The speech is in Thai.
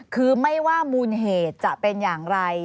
คือไม่ว่ามูลเหตุจะเป็นอย่างไร